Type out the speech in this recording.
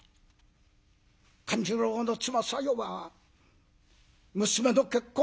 勘十郎の妻さよは娘の結婚